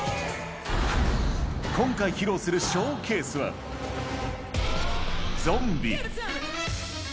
今回披露するショーケースは、ゾンビ。